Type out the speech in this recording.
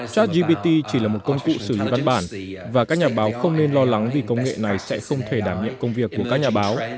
chartgpt chỉ là một công cụ xử lý văn bản và các nhà báo không nên lo lắng vì công nghệ này sẽ không thể đảm bảo